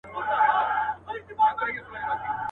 ګنهكاره سوه سورنا، ږغ د ډولونو.